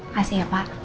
kasih ya pak